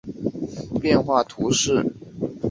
拉加尔代帕雷奥人口变化图示